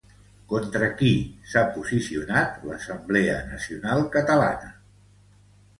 Contra qui s'ha posicionat l'Assemblea Nacional Catalana?